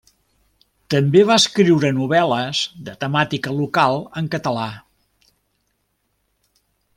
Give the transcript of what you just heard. També va escriure novel·les de temàtica local en català.